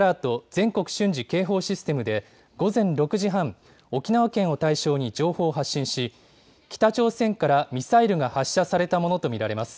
・全国瞬時警報システムで、午前６時半、沖縄県を対象に情報を発信し、北朝鮮からミサイルが発射されたものと見られます。